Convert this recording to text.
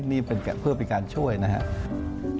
นี่เป็นแก่เพื่อไปการช่วยนะครับ